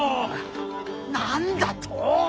何だと。